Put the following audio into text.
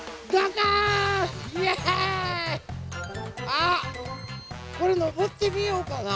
あっこれのぼってみようかな。